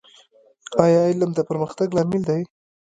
ایا علم د پرمختګ لامل دی؟